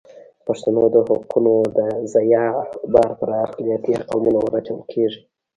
د پښتنو د حقونو د ضیاع بار پر اقلیتي قومونو ور اچول کېږي.